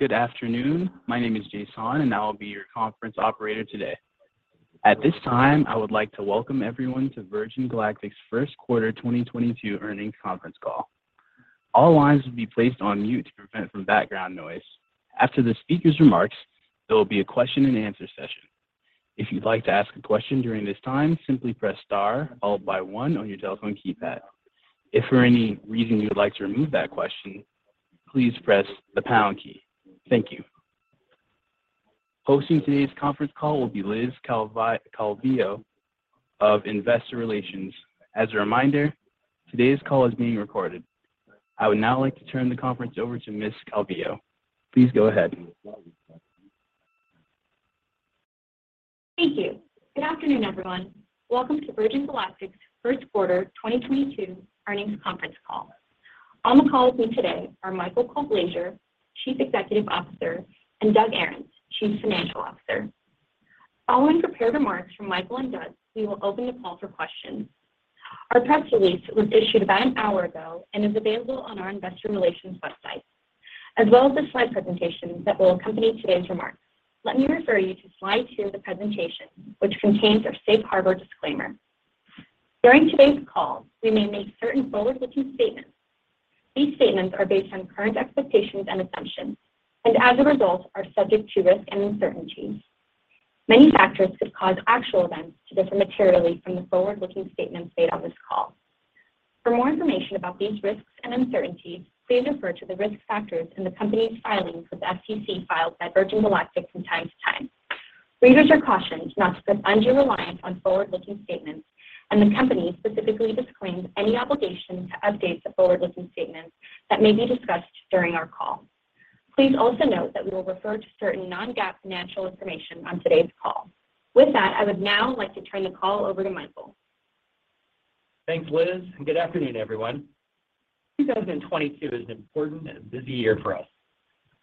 Good afternoon. My name is Jason, and I will be your conference operator today. At this time, I would like to welcome everyone to Virgin Galactic's first quarter 2022 earnings conference call. All lines will be placed on mute to prevent from background noise. After the speaker's remarks, there will be a question and answer session. If you'd like to ask a question during this time, simply press star followed by one on your telephone keypad. If for any reason you would like to remove that question, please press the pound key. Thank you. Hosting today's conference call will be Liz Calvillo of Investor Relations. As a reminder, today's call is being recorded. I would now like to turn the conference over to Ms. Calvillo. Please go ahead. Thank you. Good afternoon, everyone. Welcome to Virgin Galactic's first quarter 2022 earnings conference call. On the call with me today are Michael Colglazier, Chief Executive Officer, and Doug Ahrens, Chief Financial Officer. Following prepared remarks from Michael and Doug, we will open the call for questions. Our press release was issued about an hour ago and is available on our investor relations website, as well as the slide presentation that will accompany today's remarks. Let me refer you to slide two of the presentation, which contains our safe harbor disclaimer. During today's call, we may make certain forward-looking statements. These statements are based on current expectations and assumptions, and as a result, are subject to risk and uncertainties. Many factors could cause actual events to differ materially from the forward-looking statements made on this call. For more information about these risks and uncertainties, please refer to the risk factors in the company's filings with the SEC filed by Virgin Galactic from time to time. Readers are cautioned not to place undue reliance on forward-looking statements, and the company specifically disclaims any obligation to update the forward-looking statements that may be discussed during our call. Please also note that we will refer to certain non-GAAP financial information on today's call. With that, I would now like to turn the call over to Michael. Thanks, Liz, and good afternoon, everyone. 2022 is an important and a busy year for us.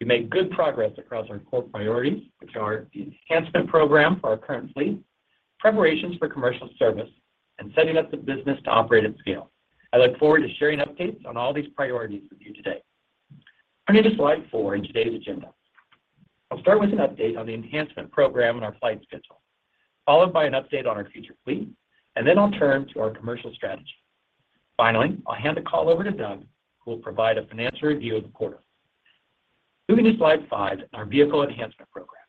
We made good progress across our core priorities, which are the enhancement program for our current fleet, preparations for commercial service, and setting up the business to operate at scale. I look forward to sharing updates on all these priorities with you today. Turning to slide four in today's agenda. I'll start with an update on the enhancement program and our flight schedule, followed by an update on our future fleet, and then I'll turn to our commercial strategy. Finally, I'll hand the call over to Doug, who will provide a financial review of the quarter. Moving to slide five, our vehicle enhancement program.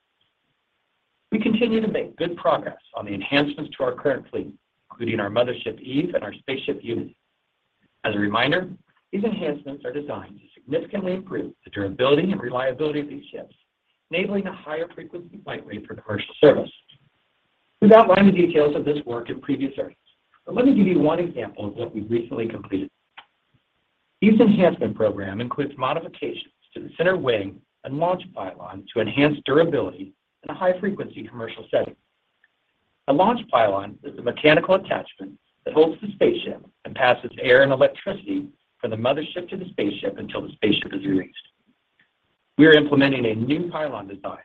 We continue to make good progress on the enhancements to our current fleet, including our Mothership Eve and our Spaceship Unity. As a reminder, these enhancements are designed to significantly improve the durability and reliability of these ships, enabling a higher frequency flight rate for commercial service. We've outlined the details of this work in previous earnings. Let me give you one example of what we've recently completed. Eve's enhancement program includes modifications to the center wing and launch pylon to enhance durability in a high-frequency commercial setting. A launch pylon is a mechanical attachment that holds the spaceship and passes air and electricity from the mothership to the spaceship until the spaceship is released. We are implementing a new pylon design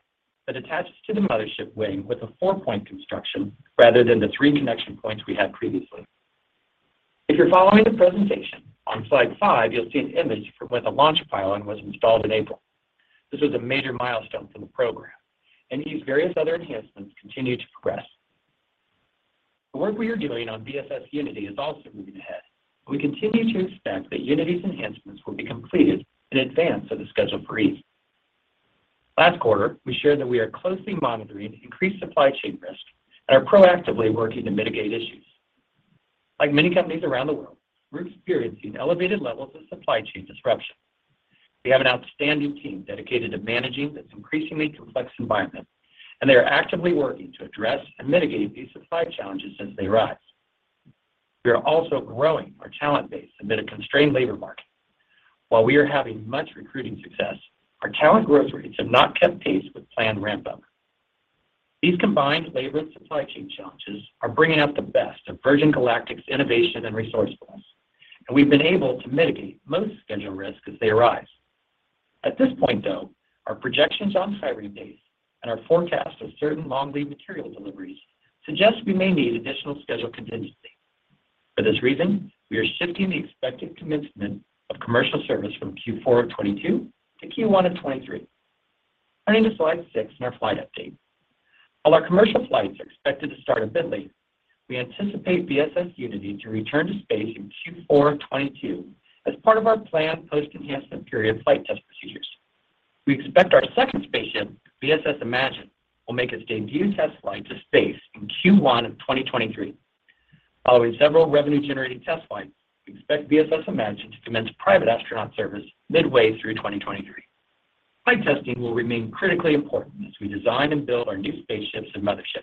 that attaches to the mothership wing with a four-point construction rather than the three connection points we had previously. If you're following the presentation, on slide five you'll see an image for when the launch pylon was installed in April. This was a major milestone for the program, and Eve's various other enhancements continue to progress. The work we are doing on VSS Unity is also moving ahead. We continue to expect that Unity's enhancements will be completed in advance of the schedule for Eve. Last quarter, we shared that we are closely monitoring increased supply chain risk and are proactively working to mitigate issues. Like many companies around the world, we're experiencing elevated levels of supply chain disruption. We have an outstanding team dedicated to managing this increasingly complex environment, and they are actively working to address and mitigate these supply challenges as they arise. We are also growing our talent base amid a constrained labor market. While we are having much recruiting success, our talent growth rates have not kept pace with planned ramp-up. These combined labor and supply chain challenges are bringing out the best of Virgin Galactic's innovation and resourcefulness, and we've been able to mitigate most schedule risks as they arise. At this point, though, our projections on hiring dates and our forecast of certain long lead material deliveries suggest we may need additional schedule contingency. For this reason, we are shifting the expected commencement of commercial service from Q4 of 2022 to Q1 of 2023. Turning to slide six and our flight update. While our commercial flights are expected to start a bit late, we anticipate VSS Unity to return to space in Q4 of 2022 as part of our planned post-enhancement period flight test procedures. We expect our second spaceship, VSS Imagine, will make its debut test flight to space in Q1 of 2023. Following several revenue-generating test flights, we expect VSS Imagine to commence private astronaut service midway through 2023. Flight testing will remain critically important as we design and build our new spaceships and motherships.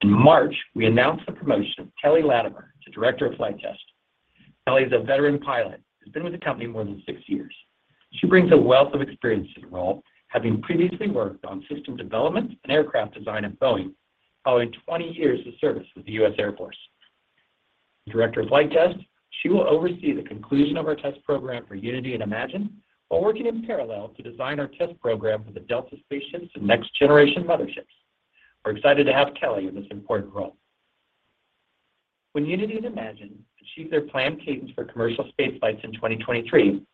In March, we announced the promotion of Kelly Latimer to Director of Flight Test. Kelly is a veteran pilot who's been with the company more than six years. She brings a wealth of experience to the role, having previously worked on system development and aircraft design at Boeing, following 20 years of service with the U.S. Air Force. As Director of Flight Test, she will oversee the conclusion of our test program for Unity and Imagine while working in parallel to design our test program for the Delta spaceships and next-generation motherships. We're excited to have Kelly in this important role. When Unity is imagined to achieve their planned cadence for commercial space flights in 2023,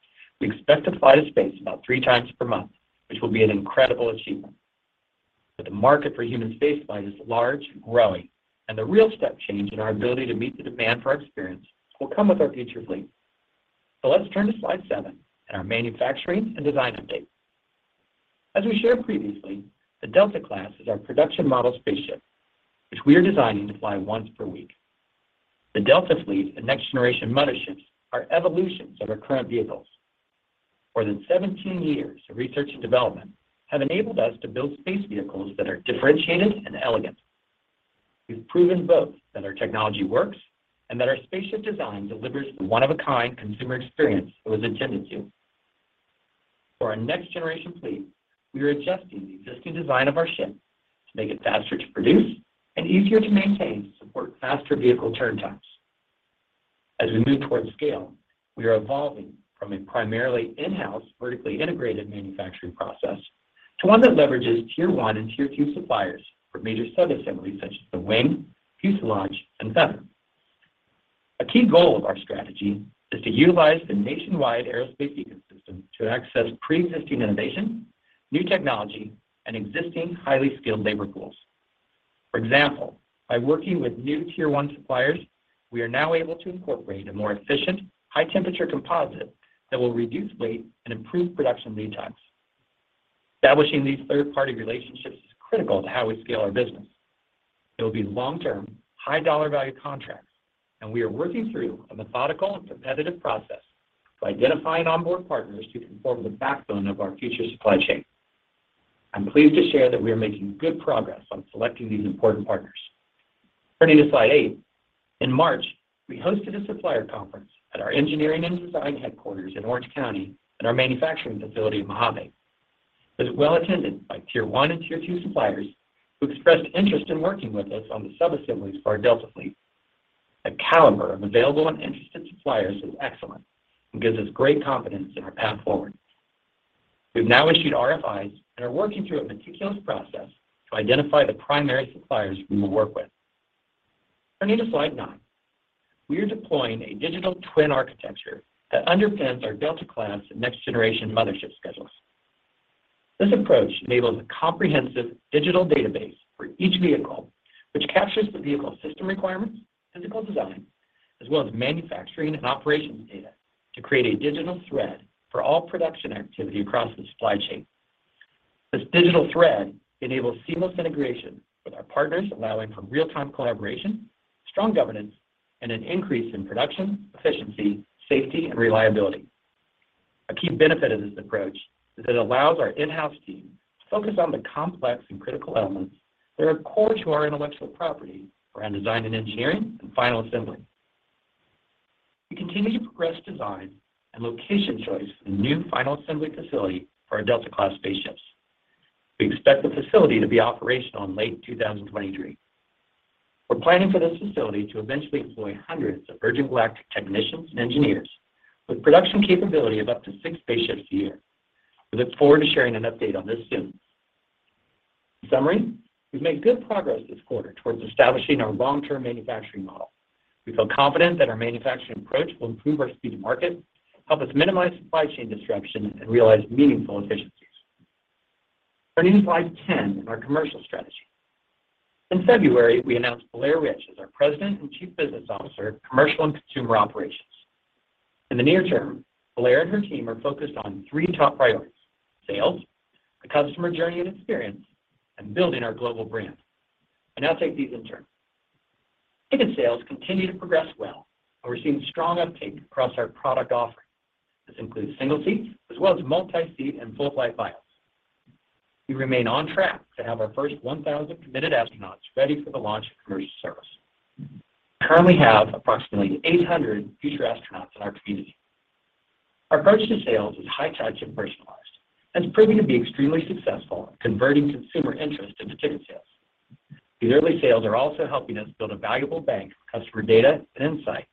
we expect to fly to space about three times per month, which will be an incredible achievement. The market for human space flight is large, growing, and the real step change in our ability to meet the demand for our experience will come with our future fleet. Let's turn to slide seven and our manufacturing and design update. As we shared previously, the Delta class is our production model spaceship, which we are designing to fly once per week. The Delta fleet and next generation motherships are evolutions of our current vehicles. More than 17 years of research and development have enabled us to build space vehicles that are differentiated and elegant. We've proven both that our technology works and that our spaceship design delivers the one-of-a-kind consumer experience it was intended to. For our next generation fleet, we are adjusting the existing design of our ship to make it faster to produce and easier to maintain to support faster vehicle turn times. As we move towards scale, we are evolving from a primarily in-house, vertically integrated manufacturing process to one that leverages tier one and tier two suppliers for major subassemblies such as the wing, fuselage, and feather. A key goal of our strategy is to utilize the nationwide aerospace ecosystem to access pre-existing innovation, new technology, and existing highly skilled labor pools. For example, by working with new tier one suppliers, we are now able to incorporate a more efficient, high-temperature composite that will reduce weight and improve production lead times. Establishing these third-party relationships is critical to how we scale our business. It will be long-term, high-dollar value contracts, and we are working through a methodical and competitive process to identify and onboard partners who can form the backbone of our future supply chain. I'm pleased to share that we are making good progress on selecting these important partners. Turning to slide eight. In March, we hosted a supplier conference at our engineering and design headquarters in Orange County and our manufacturing facility in Mojave. It was well attended by tier one and tier two suppliers who expressed interest in working with us on the subassemblies for our Delta fleet. The caliber of available and interested suppliers is excellent and gives us great confidence in our path forward. We've now issued RFIs and are working through a meticulous process to identify the primary suppliers we will work with. Turning to slide nine. We are deploying a digital twin architecture that underpins our Delta Class and next-generation mothership schedules. This approach enables a comprehensive digital database for each vehicle, which captures the vehicle system requirements, physical design, as well as manufacturing and operations data to create a digital thread for all production activity across the supply chain. This digital thread enables seamless integration with our partners, allowing for real-time collaboration, strong governance, and an increase in production, efficiency, safety, and reliability. A key benefit of this approach is it allows our in-house team to focus on the complex and critical elements that are core to our intellectual property around design and engineering and final assembly. We continue to progress design and location choice for the new final assembly facility for our Delta Class spaceships. We expect the facility to be operational in late 2023. We're planning for this facility to eventually employ hundreds of avionics technicians and engineers with production capability of up to six spaceships a year. We look forward to sharing an update on this soon. In summary, we've made good progress this quarter towards establishing our long-term manufacturing model. We feel confident that our manufacturing approach will improve our speed to market, help us minimize supply chain disruption, and realize meaningful efficiencies. Turning to slide 10 and our commercial strategy. In February, we announced Blair Rich as our President and Chief Business Officer of Commercial and Consumer Operations. In the near term, Blair and her team are focused on three top priorities: sales, the customer journey and experience, and building our global brand. I'll now take these in turn. Ticket sales continue to progress well and we're seeing strong uptake across our product offering. This includes single seat as well as multi-seat and full flight buyouts. We remain on track to have our first 1,000 committed astronauts ready for the launch of commercial service. We currently have approximately 800 future astronauts in our community. Our approach to sales is high touch and personalized, and it's proving to be extremely successful at converting consumer interest into ticket sales. These early sales are also helping us build a valuable bank of customer data and insights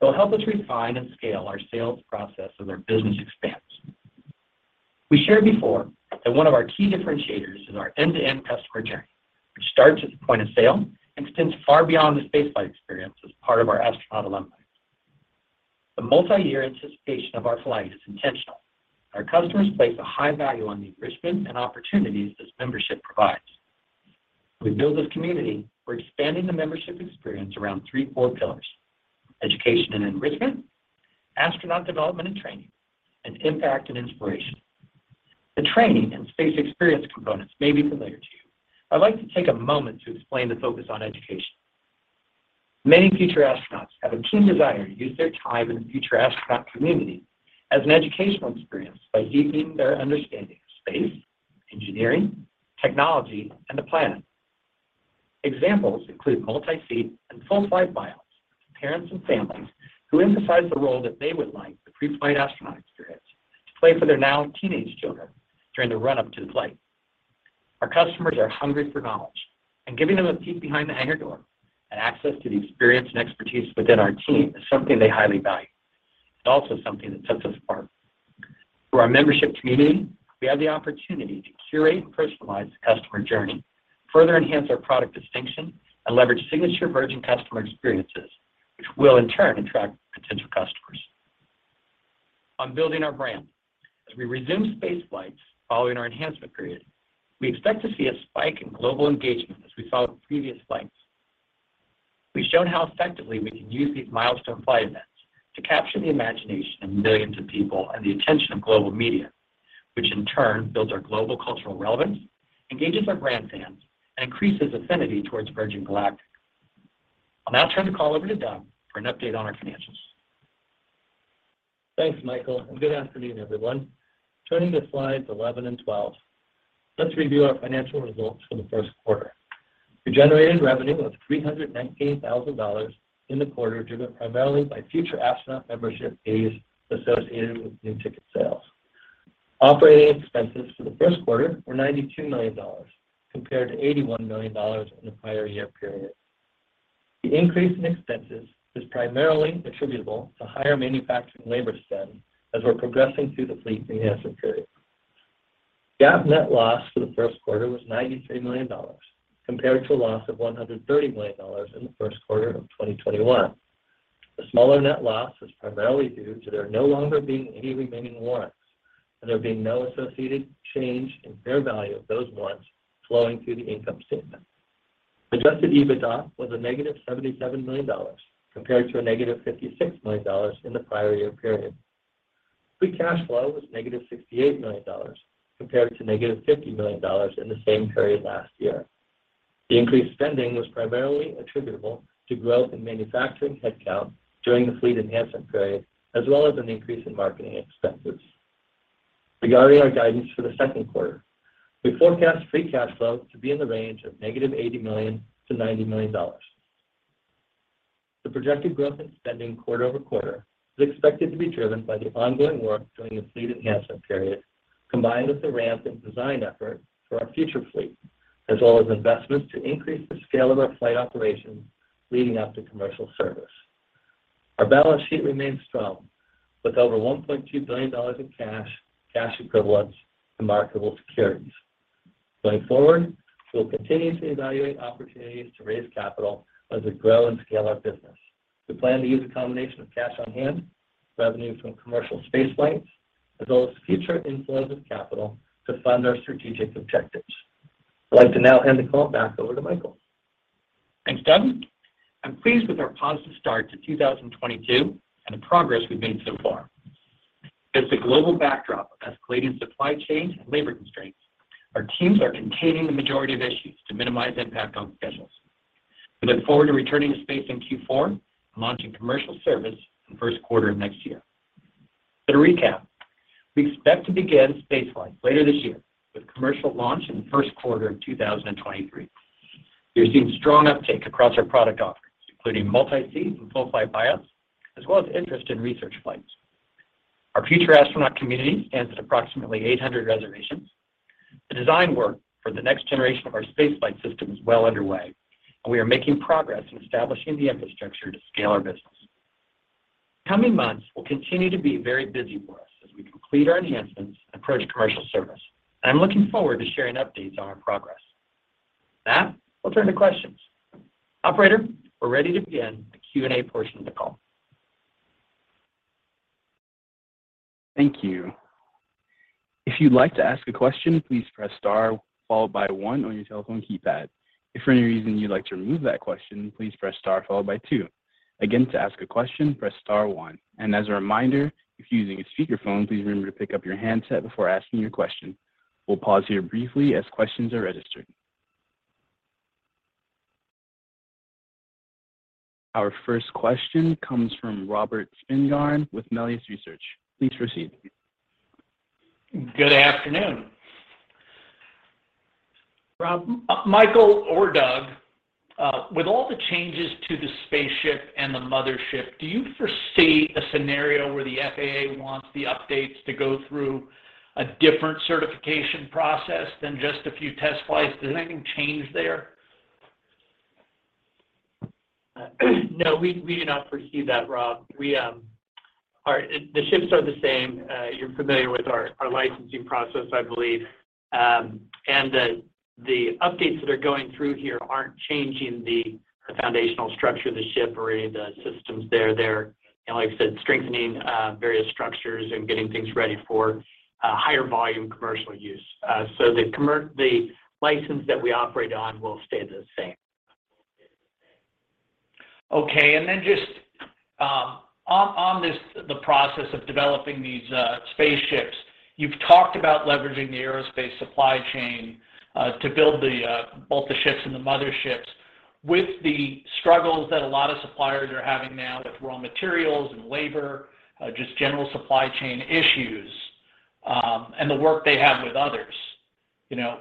that will help us refine and scale our sales process as our business expands. We shared before that one of our key differentiators is our end-to-end customer journey, which starts at the point of sale and extends far beyond the space flight experience as part of our astronaut alumni. The multiyear anticipation of our flight is intentional. Our customers place a high value on the enrichment and opportunities this membership provides. As we build this community, we're expanding the membership experience around three core pillars. Education and enrichment, astronaut development and training, and impact and inspiration. The training and space experience components may be familiar to you. I'd like to take a moment to explain the focus on education. Many future astronauts have a keen desire to use their time in the future astronaut community as an educational experience by deepening their understanding of space, engineering, technology, and the planet. Examples include multi-seat and full flight buyouts for parents and families who emphasize the role that they would like the pre-flight astronaut experience to play for their now teenage children during the run-up to the flight. Our customers are hungry for knowledge, and giving them a peek behind the hangar door and access to the experience and expertise within our team is something they highly value. It's also something that sets us apart. Through our membership community, we have the opportunity to curate and personalize the customer journey, further enhance our product distinction, and leverage signature Virgin customer experiences, which will in turn attract potential customers. On building our brand. As we resume spaceflights following our enhancement period, we expect to see a spike in global engagement as we saw with previous flights. We've shown how effectively we can use these milestone flight events to capture the imagination of millions of people and the attention of global media, which in turn builds our global cultural relevance, engages our brand fans, and increases affinity towards Virgin Galactic. I'll now turn the call over to Doug for an update on our financials. Thanks, Michael, and good afternoon, everyone. Turning to slides 11 and 12, let's review our financial results for the first quarter. We generated revenue of $319,000 in the quarter, driven primarily by future astronaut membership fees associated with new ticket sales. Operating expenses for the first quarter were $92 million, compared to $81 million in the prior year period. The increase in expenses is primarily attributable to higher manufacturing labor spend as we're progressing through the fleet enhancement period. GAAP net loss for the first quarter was $93 million, compared to a loss of $130 million in the first quarter of 2021. The smaller net loss was primarily due to there no longer being any remaining warrants, and there being no associated change in fair value of those warrants flowing through the income statement. Adjusted EBITDA was -$77 million, compared to -$56 million in the prior year period. Free cash flow was -$68 million, compared to -$50 million in the same period last year. The increased spending was primarily attributable to growth in manufacturing headcount during the fleet enhancement period, as well as an increase in marketing expenses. Regarding our guidance for the second quarter, we forecast free cash flow to be in the range of -$80 million to $90 million. The projected growth in spending quarter-over-quarter is expected to be driven by the ongoing work during the fleet enhancement period, combined with the ramp in design effort for our future fleet, as well as investments to increase the scale of our flight operations leading up to commercial service. Our balance sheet remains strong with over $1.2 billion in cash equivalents, and marketable securities. Going forward, we will continue to evaluate opportunities to raise capital as we grow and scale our business. We plan to use a combination of cash on hand, revenue from commercial spaceflights, as well as future inflows of capital to fund our strategic objectives. I'd like to now hand the call back over to Michael. Thanks, Doug. I'm pleased with our positive start to 2022 and the progress we've made so far. Against a global backdrop of escalating supply chain and labor constraints, our teams are containing the majority of issues to minimize impact on schedules. We look forward to returning to space in Q4 and launching commercial service in the first quarter of next year. To recap, we expect to begin space flights later this year with commercial launch in the first quarter of 2023. We are seeing strong uptake across our product offerings, including multi-seat and full-flight buyouts, as well as interest in research flights. Our future astronaut community stands at approximately 800 reservations. The design work for the next generation of our space flight system is well underway, and we are making progress in establishing the infrastructure to scale our business. The coming months will continue to be very busy for us as we complete our enhancements and approach commercial service. I'm looking forward to sharing updates on our progress. With that, we'll turn to questions. Operator, we're ready to begin the Q&A portion of the call. Thank you. If you'd like to ask a question, please press star followed by one on your telephone keypad. If for any reason you'd like to remove that question, please press star followed by two. Again, to ask a question, press star one. As a reminder, if you're using a speakerphone, please remember to pick up your handset before asking your question. We'll pause here briefly as questions are registered. Our first question comes from Robert Spingarn with Melius Research. Please proceed. Good afternoon. Rob- Michael or Doug, with all the changes to the spaceship and the mothership, do you foresee a scenario where the FAA wants the updates to go through a different certification process than just a few test flights? Does anything change there? No, we do not foresee that, Rob. Our ships are the same. You're familiar with our licensing process, I believe. The updates that are going through here aren't changing the foundational structure of the ship or any of the systems there. They're, you know, like I said, strengthening various structures and getting things ready for higher volume commercial use. The license that we operate on will stay the same. Okay. Then just on this, the process of developing these spaceships, you've talked about leveraging the aerospace supply chain to build both the ships and the motherships. With the struggles that a lot of suppliers are having now with raw materials and labor, just general supply chain issues, and the work they have with others, you know,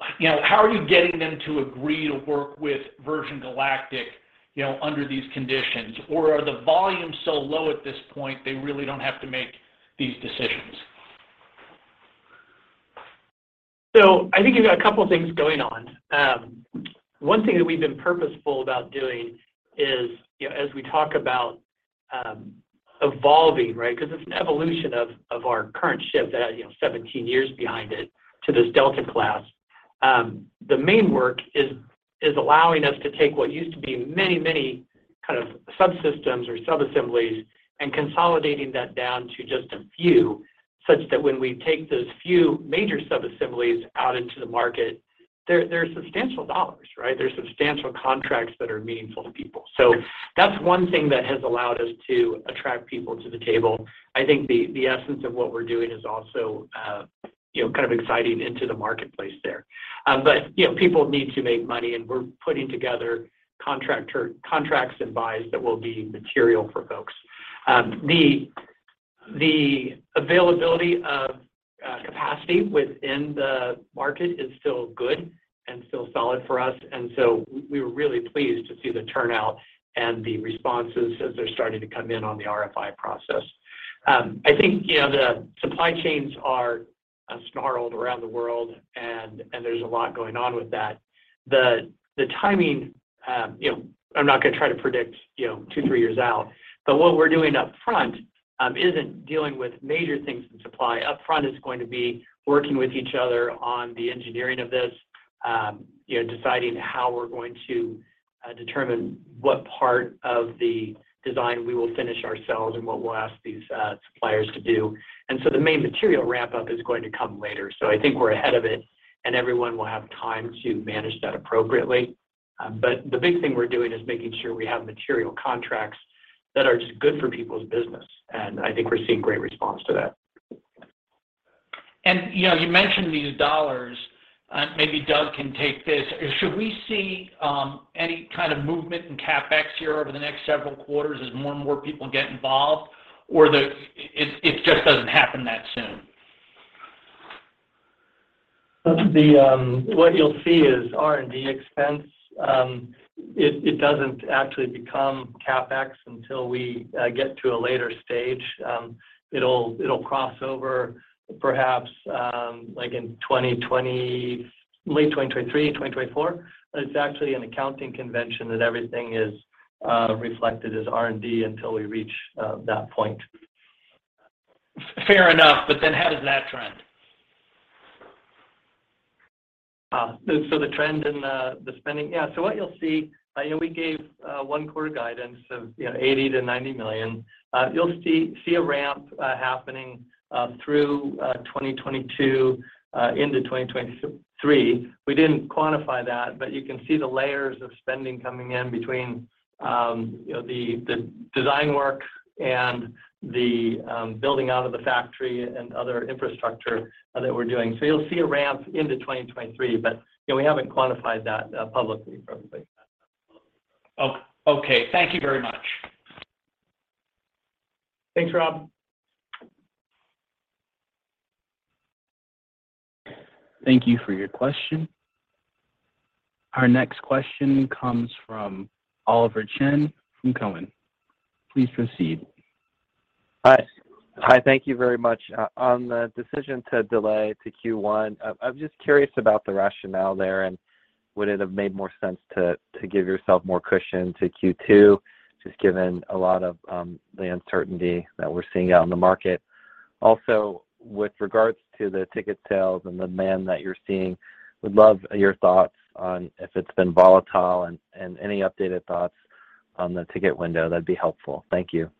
how are you getting them to agree to work with Virgin Galactic, you know, under these conditions? Or are the volumes so low at this point they really don't have to make these decisions? I think you've got a couple of things going on. One thing that we've been purposeful about doing is, you know, as we talk about evolving, right? Because it's an evolution of our current ship that, you know, 17 years behind it to this Delta class. The main work is allowing us to take what used to be many kind of subsystems or subassemblies and consolidating that down to just a few, such that when we take those few major subassemblies out into the market, they're substantial dollars, right? They're substantial contracts that are meaningful to people. That's one thing that has allowed us to attract people to the table. I think the essence of what we're doing is also, you know, kind of exciting into the marketplace there. People need to make money, and we're putting together contracts and buys that will be material for folks. The availability of capacity within the market is still good and still solid for us. We were really pleased to see the turnout and the responses as they're starting to come in on the RFI process. I think, you know, the supply chains are snarled around the world, and there's a lot going on with that. The timing, you know, I'm not going to try to predict, you know, two, three years out, but what we're doing up front isn't dealing with major things in supply. Up front is going to be working with each other on the engineering of this, you know, deciding how we're going to determine what part of the design we will finish ourselves and what we'll ask these suppliers to do. The main material ramp-up is going to come later. I think we're ahead of it, and everyone will have time to manage that appropriately. The big thing we're doing is making sure we have material contracts that are just good for people's business, and I think we're seeing great response to that. You know, you mentioned these dollars. Maybe Doug can take this. Should we see any kind of movement in CapEx here over the next several quarters as more and more people get involved? Or it just doesn't happen that soon? What you'll see is R&D expense. It doesn't actually become CapEx until we get to a later stage. It'll cross over perhaps, like in late 2023, 2024. It's actually an accounting convention that everything is reflected as R&D until we reach that point. Fair enough. How does that trend? The trend in the spending? Yeah. What you'll see, you know, we gave one quarter guidance of, you know, $80 million-$90 million. You'll see a ramp happening through 2022 into 2023. We didn't quantify that, but you can see the layers of spending coming in between, you know, the design work and the building out of the factory and other infrastructure that we're doing. You'll see a ramp into 2023, but, you know, we haven't quantified that publicly for everybody. Okay. Thank you very much. Thanks, Rob. Thank you for your question. Our next question comes from Oliver Chen from Cowen. Please proceed. Hi. Hi. Thank you very much. On the decision to delay to Q1, I'm just curious about the rationale there, and would it have made more sense to give yourself more cushion to Q2, just given a lot of the uncertainty that we're seeing out in the market? Also, with regards to the ticket sales and the demand that you're seeing, would love your thoughts on if it's been volatile and any updated thoughts on the ticket window, that'd be helpful. Thank you.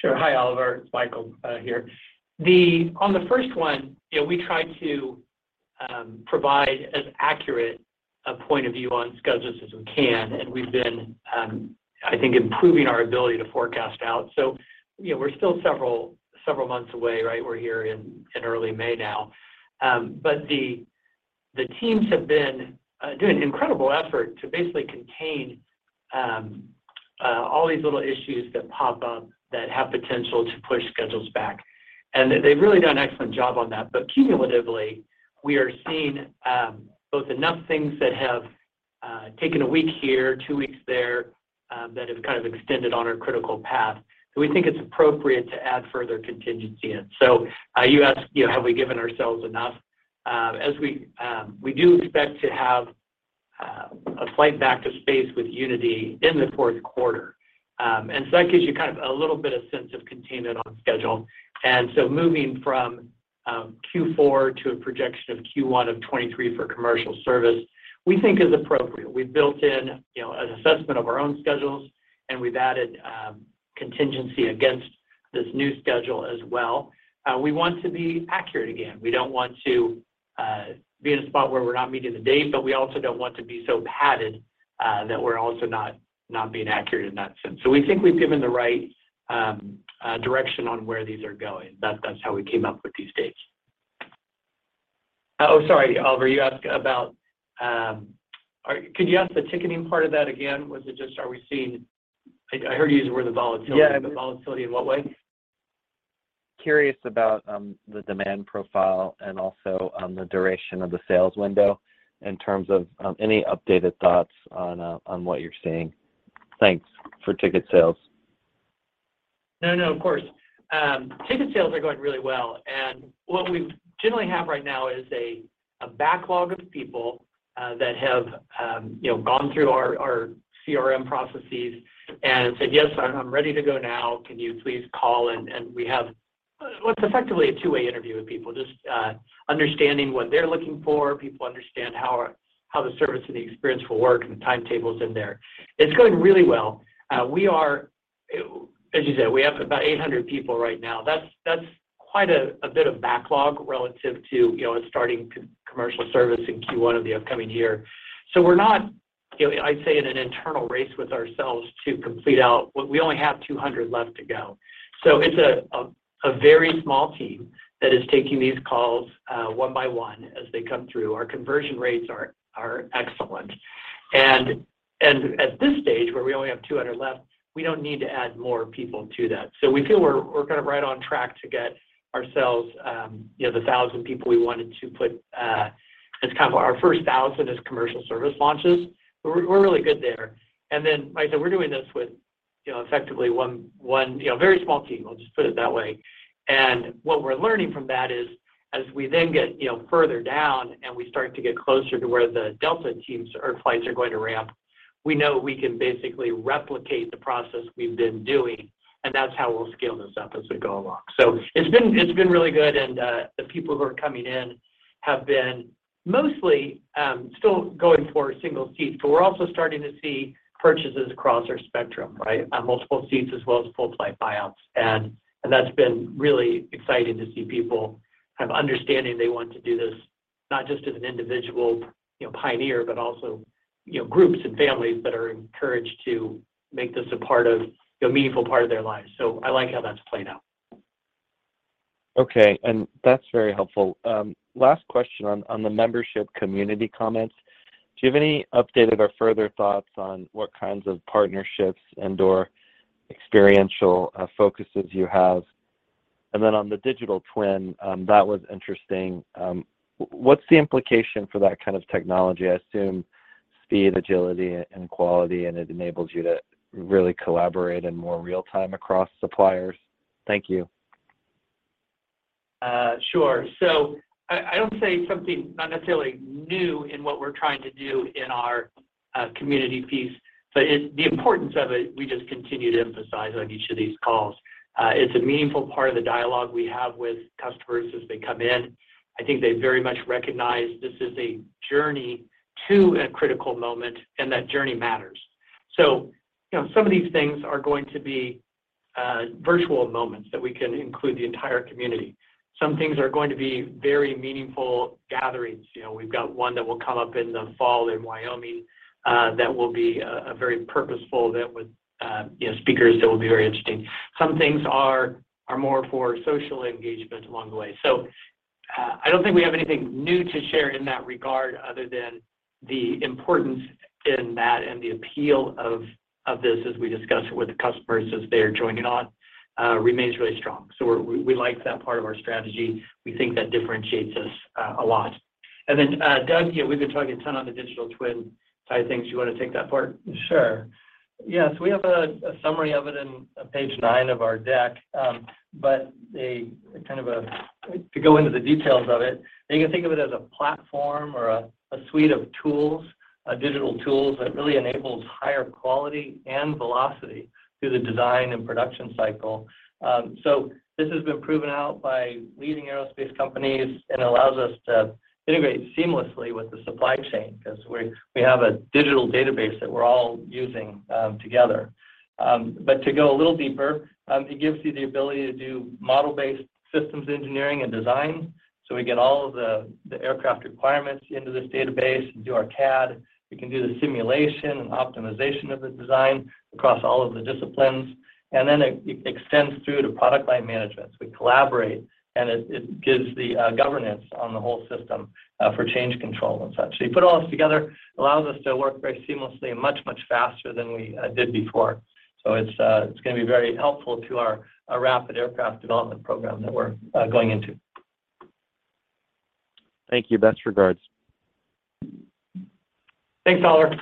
Sure. Hi, Oliver. It's Michael here. On the first one, you know, we try to provide as accurate a point of view on schedules as we can, and we've been, I think improving our ability to forecast out. You know, we're still several months away, right? We're here in early May now. The teams have been doing incredible effort to basically contain all these little issues that pop up that have potential to push schedules back. They've really done an excellent job on that. Cumulatively, we are seeing both enough things that have taken a week here, two weeks there that have kind of extended on our critical path, so we think it's appropriate to add further contingency in. You asked, you know, have we given ourselves enough? As we do expect to have a flight back to space with Unity in the fourth quarter. That gives you kind of a little bit of sense of containment on schedule. Moving from Q4 to a projection of Q1 of 2023 for commercial service, we think is appropriate. We've built in you know an assessment of our own schedules, and we've added contingency against this new schedule as well. We want to be accurate again. We don't want to be in a spot where we're not meeting the date, but we also don't want to be so padded that we're also not being accurate in that sense. We think we've given the right direction on where these are going. That's how we came up with these dates. Oh, sorry, Oliver, you asked about. Could you ask the ticketing part of that again? Was it just I heard you use the word the volatility. Yeah. The volatility in what way? Curious about the demand profile and also the duration of the sales window in terms of any updated thoughts on what you're seeing. Thanks for ticket sales. No, no, of course. Ticket sales are going really well, and what we generally have right now is a backlog of people that have, you know, gone through our CRM processes and said, "Yes, I'm ready to go now. Can you please call?" We have what's effectively a two-way interview with people, just understanding what they're looking for, people understand how the service and the experience will work, and the timetables in there. It's going really well. We are, as you said, we have about 800 people right now. That's quite a bit of backlog relative to, you know, starting commercial service in Q1 of the upcoming year. We're not, you know, I'd say in an internal race with ourselves to complete out. We only have 200 left to go. It's a very small team that is taking these calls one by one as they come through. Our conversion rates are excellent. At this stage, where we only have 200 left, we don't need to add more people to that. We feel we're kind of right on track to get ourselves, you know, the 1,000 people we wanted to put as kind of our first 1,000 as commercial service launches. We're really good there. Then, like I said, we're doing this with, you know, effectively one very small team. I'll just put it that way. What we're learning from that is, as we then get, you know, further down, and we start to get closer to where the Delta teams or flights are going to ramp, we know we can basically replicate the process we've been doing, and that's how we'll scale this up as we go along. It's been really good, and the people who are coming in have been mostly still going for single seats, but we're also starting to see purchases across our spectrum, right? On multiple seats as well as full flight buyouts. That's been really exciting to see people kind of understanding they want to do this, not just as an individual, you know, pioneer, but also, you know, groups and families that are encouraged to make this a part of, a meaningful part of their lives. I like how that's played out. Okay. That's very helpful. Last question on the membership community comments. Do you have any updated or further thoughts on what kinds of partnerships and/or experiential focuses you have? Then on the digital twin, that was interesting. What's the implication for that kind of technology? I assume speed, agility, and quality, and it enables you to really collaborate in more real time across suppliers. Thank you. Sure. I don't say something not necessarily new in what we're trying to do in our community piece, but it, the importance of it, we just continue to emphasize on each of these calls. It's a meaningful part of the dialogue we have with customers as they come in. I think they very much recognize this is a journey to a critical moment, and that journey matters. You know, some of these things are going to be virtual moments that we can include the entire community. Some things are going to be very meaningful gatherings. You know, we've got one that will come up in the fall in Wyoming that will be a very purposeful event, you know, speakers that will be very interesting. Some things are more for social engagement along the way. I don't think we have anything new to share in that regard other than the importance in that and the appeal of this as we discuss it with the customers as they're joining on remains really strong. We like that part of our strategy. We think that differentiates us a lot. Doug, you know, we've been talking a ton on the digital twin side of things. You want to take that part? Sure. Yes, we have a summary of it in page nine of our deck. To go into the details of it, you can think of it as a platform or a suite of tools, digital tools that really enables higher quality and velocity through the design and production cycle. This has been proven out by leading aerospace companies and allows us to integrate seamlessly with the supply chain 'cause we have a digital database that we're all using together. To go a little deeper, it gives you the ability to do model-based systems engineering and design. We get all of the aircraft requirements into this database and do our CAD. We can do the simulation and optimization of the design across all of the disciplines, and then it extends through to product line management. We collaborate, and it gives the governance on the whole system for change control and such. You put all this together, it allows us to work very seamlessly and much faster than we did before. It's gonna be very helpful to our rapid aircraft development program that we're going into. Thank you. Best regards. Thanks, Oliver.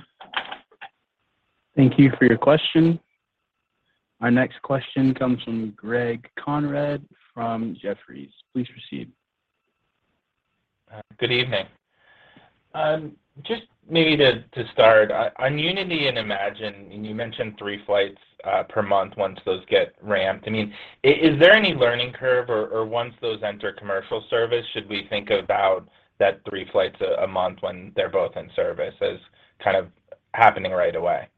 Thank you for your question. Our next question comes from Greg Konrad from Jefferies. Please proceed. Good evening. Just maybe to start, on Unity and Imagine, and you mentioned three flights per month once those get ramped. I mean, is there any learning curve or once those enter commercial service, should we think about that three flights a month when they're both in service as kind of happening right away?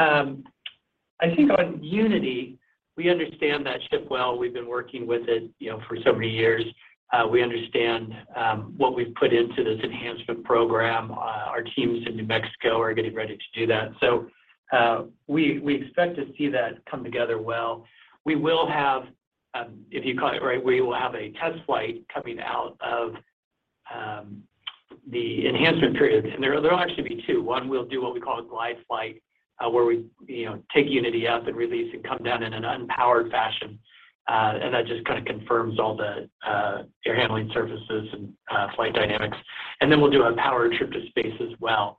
I think on Unity, we understand that ship well. We've been working with it, you know, for so many years. We understand what we've put into this enhancement program. Our teams in New Mexico are getting ready to do that. We expect to see that come together well. We will have, if you call it, right, a test flight coming out of the enhancement period. There'll actually be two. One, we'll do what we call a glide flight, where we, you know, take Unity up and release and come down in an unpowered fashion. That just kind of confirms all the air handling surfaces and flight dynamics. Then we'll do a powered trip to space as well.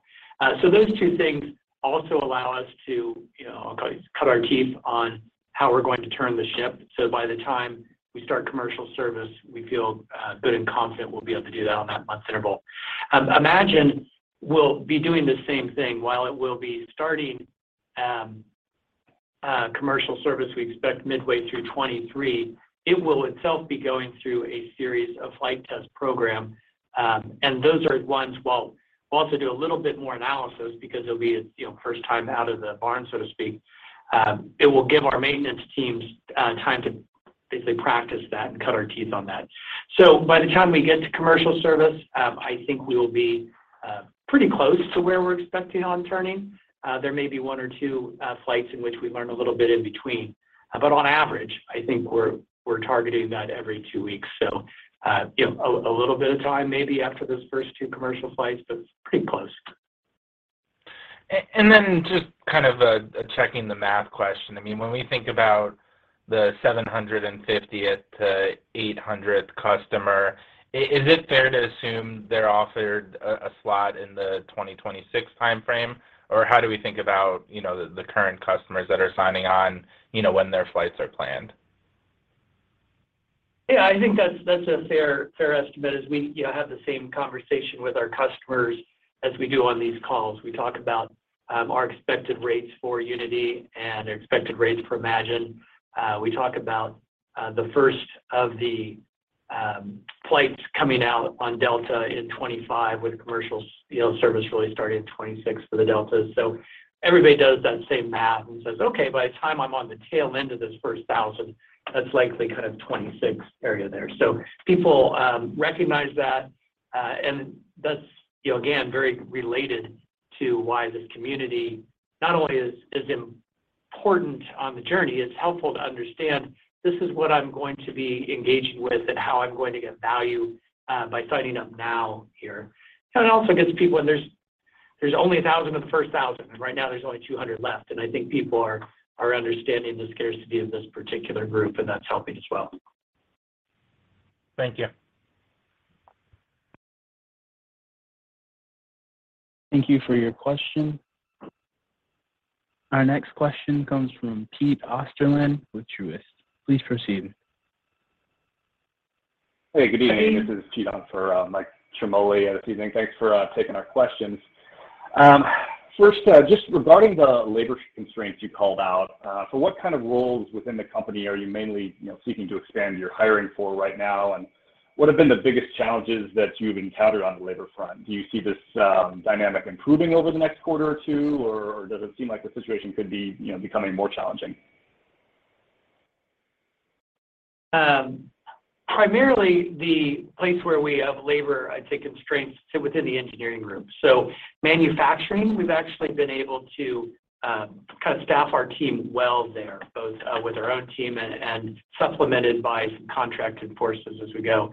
Those two things also allow us to, you know, I'll call it cut our teeth on how we're going to turn the ship. By the time we start commercial service, we feel good and confident we'll be able to do that on that month interval. Imagine will be doing the same thing. While it will be starting commercial service, we expect midway through 2023, it will itself be going through a series of flight test program. Those are ones we'll also do a little bit more analysis because it'll be a, you know, first time out of the barn, so to speak. It will give our maintenance teams time to basically practice that and cut our teeth on that. By the time we get to commercial service, I think we will be pretty close to where we're expecting on turning. There may be one or two flights in which we learn a little bit in between. On average, I think we're targeting that every two weeks. You know, a little bit of time maybe after those first two commercial flights, but it's pretty close. Just kind of a checking-the-math question. I mean, when we think about the 750th to 800th customer, is it fair to assume they're offered a slot in the 2026 timeframe? Or how do we think about, you know, the current customers that are signing on, you know, when their flights are planned? Yeah. I think that's a fair estimate, as we, you know, have the same conversation with our customers as we do on these calls. We talk about our expected rates for Unity and expected rates for Imagine. We talk about the first of the flights coming out on Delta in 2025 with commercial service really starting in 2026 for the Delta. Everybody does that same math and says, "Okay. By the time I'm on the tail end of this first thousand, that's likely kind of 2026 area there." People recognize that, and that's, you know, again, very related to why this community not only is important on the journey, it's helpful to understand this is what I'm going to be engaging with and how I'm going to get value by signing up now here. There's only 1,000 of the first 1,000. Right now there's only 200 left, and I think people are understanding the scarcity of this particular group, and that's helping as well. Thank you. Thank you for your question. Our next question comes from Pete Osterland with Truist. Please proceed. Hey, good evening. Hey. This is Pete on for Michael Ciarmoli at the session. Thanks for taking our questions. First, just regarding the labor constraints you called out, for what kind of roles within the company are you mainly, you know, seeking to expand your hiring for right now, and what have been the biggest challenges that you've encountered on the labor front? Do you see this dynamic improving over the next quarter or two, or does it seem like the situation could be, you know, becoming more challenging? Primarily the place where we have labor, I'd say constraints sit within the engineering group. Manufacturing, we've actually been able to kind of staff our team well there, both with our own team and supplemented by some contracted forces as we go.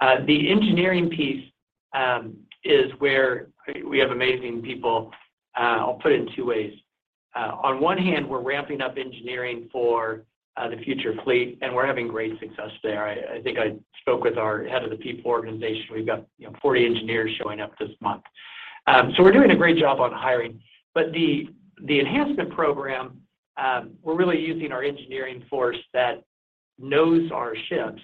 The engineering piece is where we have amazing people. I'll put it in two ways. On one hand, we're ramping up engineering for the future fleet, and we're having great success there. I think I spoke with our head of the people organization. We've got, you know, 40 engineers showing up this month. We're doing a great job on hiring. The enhancement program, we're really using our engineering force that knows our ships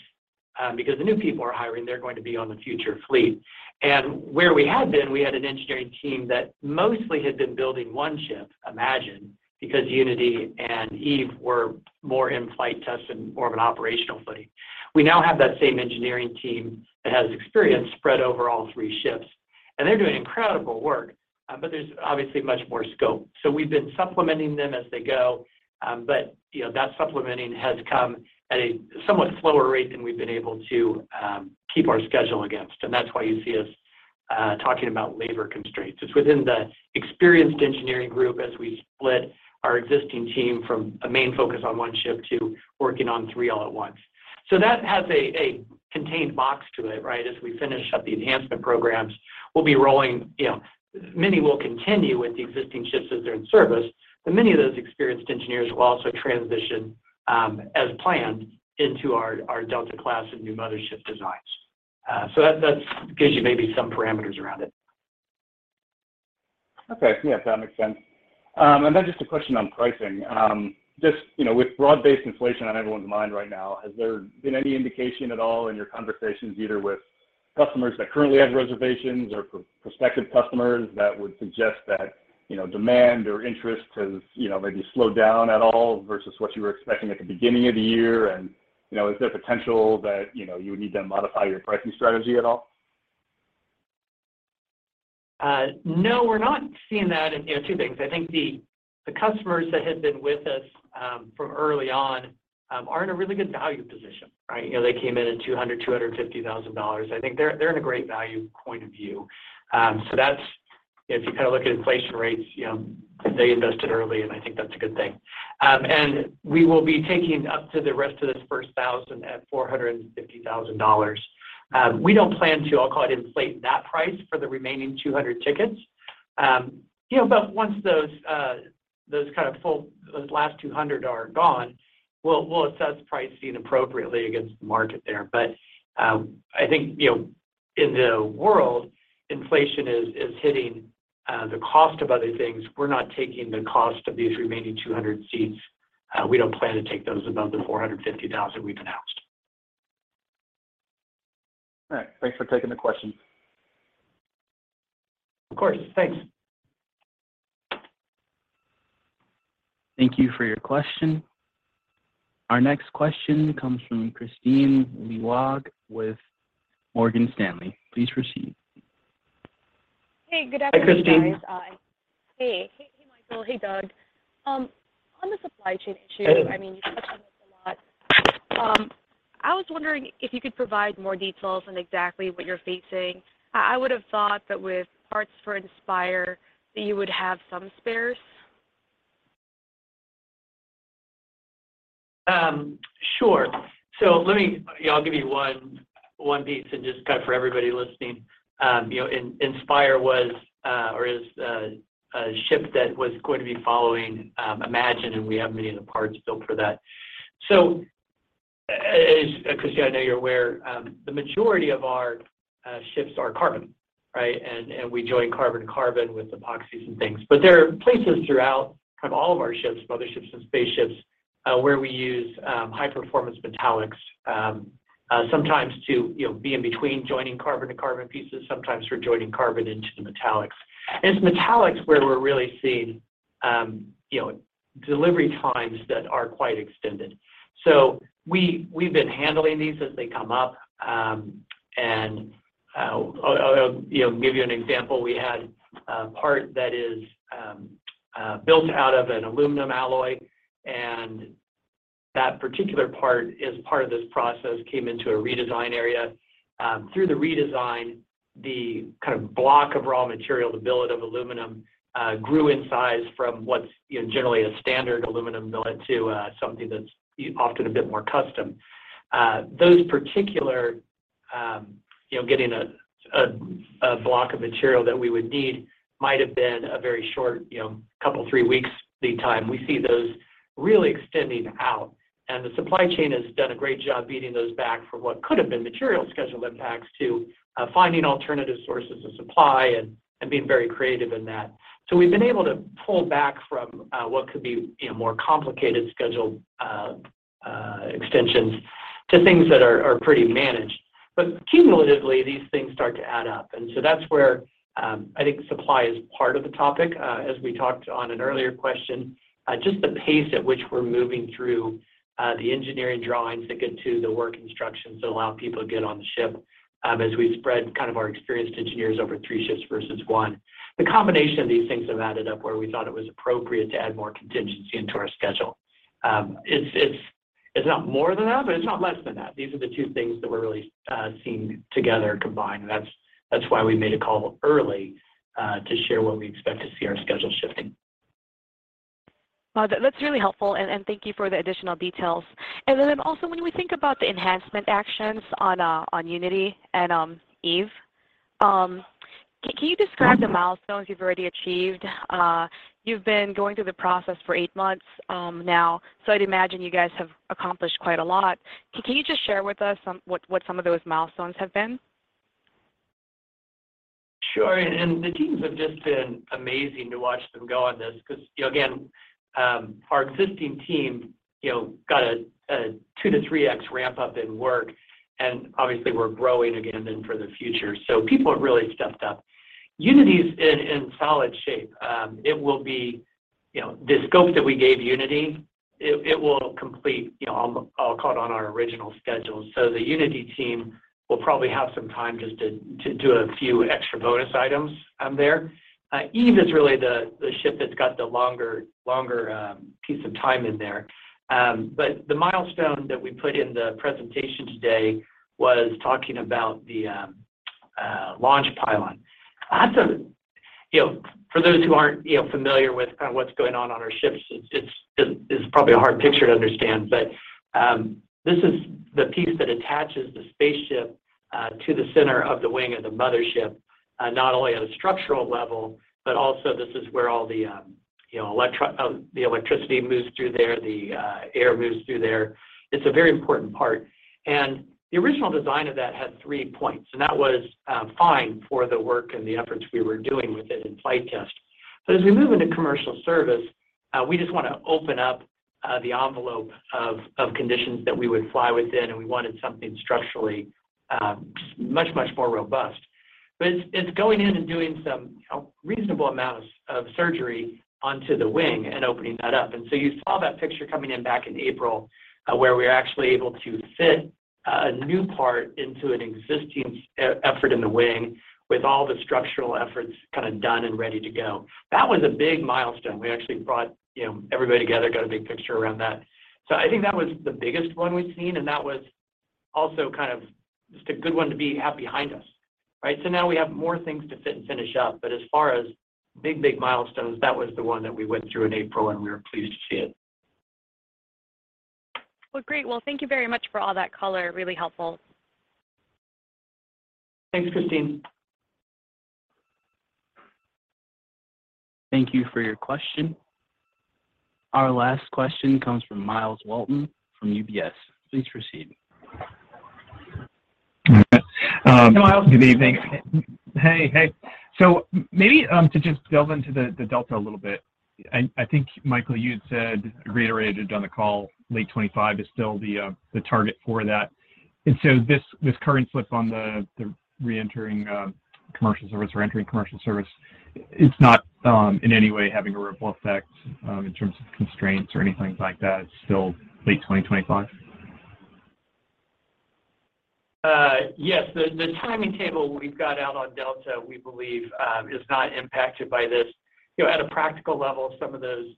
because the new people we're hiring, they're going to be on the future fleet. Where we had been, we had an engineering team that mostly had been building one ship, Imagine, because Unity and Eve were more in flight tests and more of an operational footing. We now have that same engineering team that has experience spread over all three ships. They're doing incredible work, but there's obviously much more scope. We've been supplementing them as they go, but, you know, that supplementing has come at a somewhat slower rate than we've been able to keep our schedule against, and that's why you see us talking about labor constraints. It's within the experienced engineering group as we split our existing team from a main focus on one ship to working on three all at once. That has a contained box to it, right? As we finish up the enhancement programs, we'll be rolling, you know, many will continue with the existing ships as they're in service, but many of those experienced engineers will also transition, as planned into our Delta Class and new mothership designs. That gives you maybe some parameters around it. Okay. Yeah. That makes sense. Just a question on pricing. Just, you know, with broad-based inflation on everyone's mind right now, has there been any indication at all in your conversations either with customers that currently have reservations or prospective customers that would suggest that, you know, demand or interest has, you know, maybe slowed down at all versus what you were expecting at the beginning of the year? You know, is there potential that, you know, you would need to modify your pricing strategy at all? No. We're not seeing that. You know, two things. I think the customers that have been with us from early on are in a really good value position, right? You know, they came in at $200,000-$250,000. I think they're in a great value point of view. So that's if you kind of look at inflation rates, you know, they invested early, and I think that's a good thing. We will be taking up to the rest of this first 1,000 at $450,000. We don't plan to, I'll call it, inflate that price for the remaining 200 tickets. You know, but once those kind of those last 200 are gone, we'll assess pricing appropriately against the market there. I think, you know, in the world, inflation is hitting the cost of other things. We're not raising the cost of these remaining 200 seats. We don't plan to raise those above the $450,000 we've announced. All right. Thanks for taking the question. Of course. Thanks. Thank you for your question. Our next question comes from Kristine Liwag with Morgan Stanley. Please proceed. Hey, good afternoon, guys. Hi, Kristine. Hey. Hey, Michael. Hey, Doug. On the supply chain issue. Hey I mean, you touched on this a lot. I was wondering if you could provide more details on exactly what you're facing. I would have thought that with parts for Inspire that you would have some spares. Sure. Yeah, I'll give you one piece, and just kind of for everybody listening. You know, Inspire was, or is a ship that was going to be following Imagine, and we have many of the parts built for that. As Kristine, I know you're aware, the majority of our ships are carbon, right? We join carbon to carbon with epoxies and things, but there are places throughout kind of all of our ships, motherships and spaceships, where we use high-performance metallics, sometimes to, you know, be in between joining carbon to carbon pieces, sometimes for joining carbon into the metallics. It's metallics where we're really seeing, you know, delivery times that are quite extended. We've been handling these as they come up. I'll you know, give you an example. We had a part that is built out of an aluminum alloy, and that particular part, as part of this process, came into a redesign area. Through the redesign, the kind of block of raw material, the billet of aluminum grew in size from what's you know, generally a standard aluminum billet to something that's often a bit more custom. Those particular you know, getting a block of material that we would need might have been a very short you know, couple, three weeks lead time. We see those really extending out, and the supply chain has done a great job beating those back from what could have been material schedule impacts to finding alternative sources of supply and being very creative in that. We've been able to pull back from what could be, you know, more complicated schedule extensions to things that are pretty managed. Cumulatively, these things start to add up, and so that's where, I think supply is part of the topic. As we talked on an earlier question, just the pace at which we're moving through the engineering drawings that get to the work instructions that allow people to get on the ship, as we spread kind of our experienced engineers over three shifts versus one. The combination of these things have added up where we thought it was appropriate to add more contingency into our schedule. It's not more than that, but it's not less than that. These are the two things that we're really seeing together combined. That's why we made a call early to share where we expect to see our schedule shifting. Well, that's really helpful, and thank you for the additional details. When we think about the enhancement actions on Unity and Eve, can you describe the milestones you've already achieved? You've been going through the process for eight months now, so I'd imagine you guys have accomplished quite a lot. Can you just share with us some of those milestones have been? Sure, the teams have just been amazing to watch them go on this because, you know, again, our existing team, you know, got a 2x-3x ramp-up in work, and obviously we're growing again then for the future. People have really stepped up. Unity's in solid shape. It will be, you know, the scope that we gave Unity, it will complete, you know, on our original schedule. The Unity team will probably have some time just to do a few extra bonus items there. Eve is really the ship that's got the longer piece of time in there. The milestone that we put in the presentation today was talking about the launch pylon. Lots of, you know, for those who aren't, you know, familiar with kind of what's going on on our ships, it's probably a hard picture to understand. This is the piece that attaches the spaceship to the center of the wing of the mothership, not only at a structural level, but also this is where all the, you know, the electricity moves through there, the air moves through there. It's a very important part. The original design of that had three points, and that was fine for the work and the efforts we were doing with it in flight test. As we move into commercial service, we just want to open up the envelope of conditions that we would fly within, and we wanted something structurally much more robust. It's going in and doing some a reasonable amount of surgery onto the wing and opening that up. You saw that picture coming in back in April, where we were actually able to fit a new part into an existing structural effort in the wing with all the structural efforts kind of done and ready to go. That was a big milestone. We actually brought, you know, everybody together, got a big picture around that. I think that was the biggest one we've seen, and that was also kind of just a good one to have behind us, right? Now we have more things to fit and finish up, but as far as big milestones, that was the one that we went through in April, and we were pleased to see it. Well, great. Well, thank you very much for all that color. Really helpful. Thanks, Kristine. Thank you for your question. Our last question comes from Myles Walton from UBS. Please proceed. Good evening. Hey Myles. Hey, hey. Maybe to just delve into the Delta a little bit. I think, Michael, you had said, reiterated on the call, late 2025 is still the target for that. This current slip on the re-entering commercial service or entering commercial service, it's not in any way having a ripple effect in terms of constraints or anything like that. It's still late 2025? Yes. The timetable we've got out on Delta, we believe, is not impacted by this. You know, at a practical level, some of those,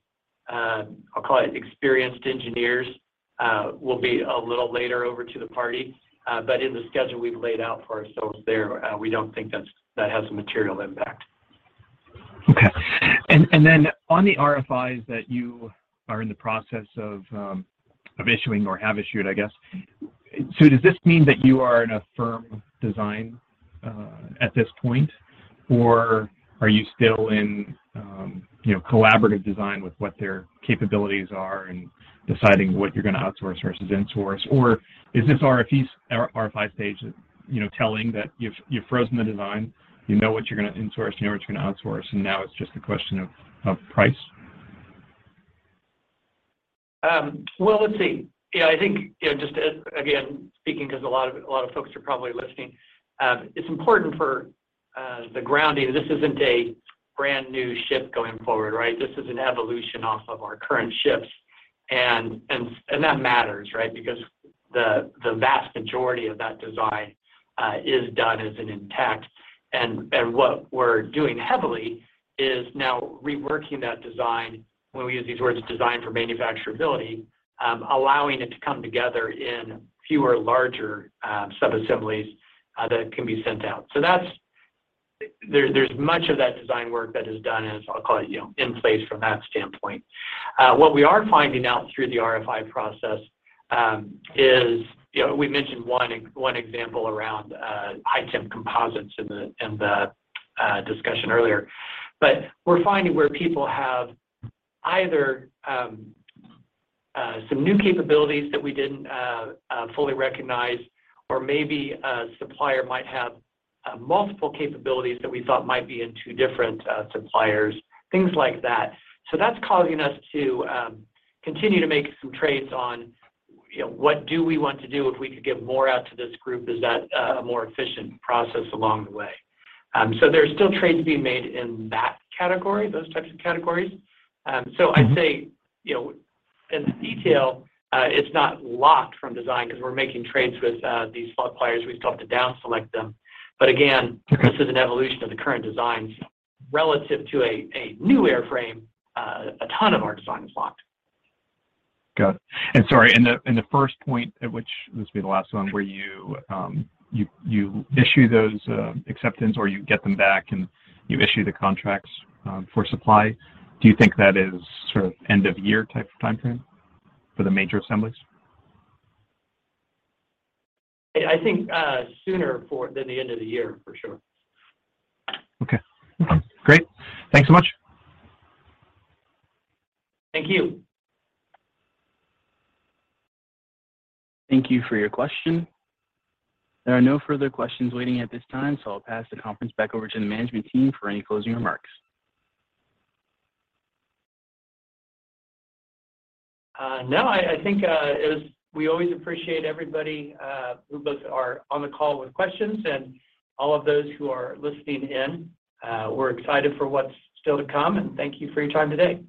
I'll call it experienced engineers, will be a little later over to the party. In the schedule we've laid out for ourselves there, we don't think that has a material impact. Okay. On the RFI that you are in the process of issuing or have issued, I guess. Does this mean that you are in a firm design at this point, or are you still in, you know, collaborative design with what their capabilities are and deciding what you're gonna outsource versus insource? Is this RFPs or RFI stage, you know, telling that you've frozen the design, you know what you're gonna insource, you know what you're gonna outsource, and now it's just a question of price? Well, let's see. Yeah, I think, you know, just as again, speaking because a lot of folks are probably listening, it's important for the grounding. This isn't a brand-new ship going forward, right? This is an evolution off of our current ships. That matters, right? Because the vast majority of that design is done as intact. What we're doing heavily is now reworking that design when we use these words design for manufacturability, allowing it to come together in fewer larger sub-assemblies that can be sent out. That's. There's much of that design work that is done, and I'll call it, you know, in place from that standpoint. What we are finding out through the RFI process is, you know, we mentioned one example around high-temp composites in the discussion earlier. We're finding where people have either some new capabilities that we didn't fully recognize or maybe a supplier might have multiple capabilities that we thought might be in two different suppliers, things like that. That's causing us to continue to make some trades on, you know, what do we want to do if we could give more out to this group, is that a more efficient process along the way. There's still trades being made in that category, those types of categories. I'd say, you know, in detail, it's not locked from design because we're making trades with these suppliers. We still have to down select them. Again, this is an evolution of the current designs. Relative to a new airframe, a ton of our design is locked. Got it. Sorry, in the first point at which, this will be the last one, where you issue those acceptance or you get them back and you issue the contracts, for supply, do you think that is sort of end of year type of timeframe for the major assemblies? I think sooner rather than the end of the year, for sure. Okay. Great. Thanks so much. Thank you. Thank you for your question. There are no further questions waiting at this time, so I'll pass the conference back over to the management team for any closing remarks. No, I think we always appreciate everybody who both are on the call with questions and all of those who are listening in. We're excited for what's still to come, and thank you for your time today.